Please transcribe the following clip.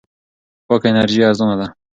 پاکه انرژي ارزان ده.